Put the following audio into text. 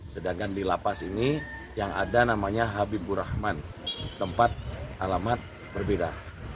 sedangkan di lapas ini yang ada namanya habibur rahman tempat alamat berbeda